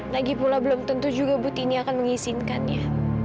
lagipula belum tentu juga bu tini akan mengizinkannya